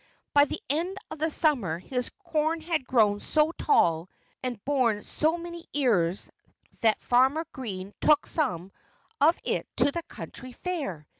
By the end of the summer his corn had grown so tall and borne so many big ears that Farmer Green took some of it to the county fair.